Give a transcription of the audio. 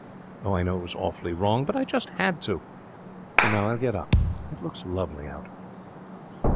'Oh, I know it was awfully wrong, but I just had to. And now I'll get up. It looks lovely out.'